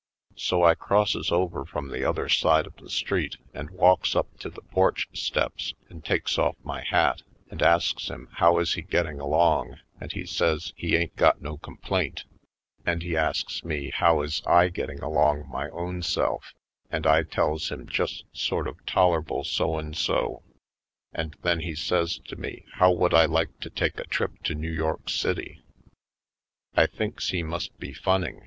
So I crosses over from the other side of the street and walks up to the porch steps and takes off my hat and asks him how he is getting along and he says he ain't got no complaint and he asks me how is I get ting along my own self and I tells him just sort of toler'ble so and so, and then he says to me how would I like to take a trip to New York City? I thinks he must be fun ning.